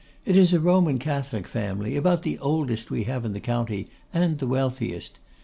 It is a Roman Catholic family, about the oldest we have in the county, and the wealthiest.